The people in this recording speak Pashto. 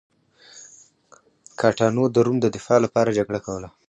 ګاټانو د روم د دفاع لپاره جګړه کوله.